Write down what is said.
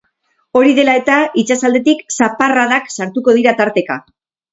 Hori dela eta, itsasaldetik zaparradak sartuko dira tarteka.